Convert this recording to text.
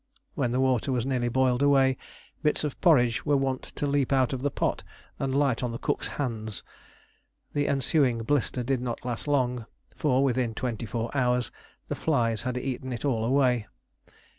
When the water was nearly boiled away, bits of porridge were wont to leap out of the pot and light on the cook's hands. The ensuing blister did not last long, for within twenty four hours the flies had eaten it all away.